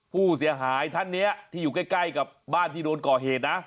ผู้เสียหายท่านนี้ที่อยู่ใกล้กับบ้านที่โดนก่อเหตุนะ